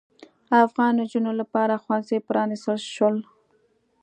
افغان نجونو لپاره ښوونځي پرانیستل شول.